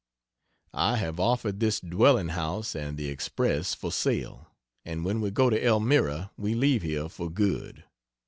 I have offered this dwelling house and the Express for sale, and when we go to Elmira we leave here for good.